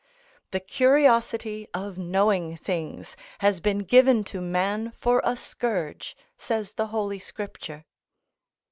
The curiosity of knowing things has been given to man for a scourge, says the Holy Scripture.